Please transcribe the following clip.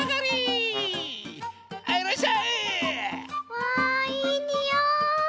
わいいにおい！